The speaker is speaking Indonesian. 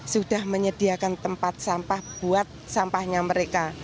sudah menyediakan tempat sampah buat sampahnya mereka